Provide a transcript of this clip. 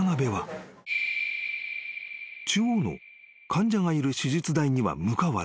［中央の患者がいる手術台には向かわず］